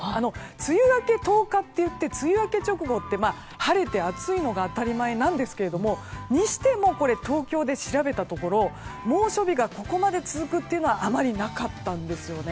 梅雨明け１０日といって梅雨明け直後って晴れて暑いのが当たり前なんですけどそれにしても東京で調べたところ猛暑日がここまで続くことはあまりなかったんですよね。